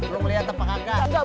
lo melihat apa kagak